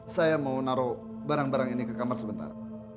saya mau naruh barang barang ini ke kamar sebentar